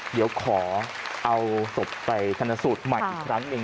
เดี๋ยวขอเอาศพไปธนสูตรใหม่อีกครั้งหนึ่ง